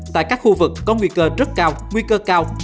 tại các khu vực có nguy cơ rất cao nguy cơ cao